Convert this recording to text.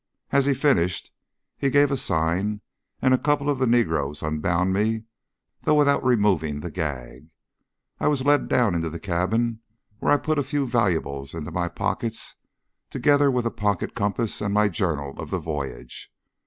As he finished he gave a sign, and a couple of the negroes unbound me, though without removing the gag. I was led down into the cabin, where I put a few valuables into my pockets, together with a pocket compass and my journal of the voyage.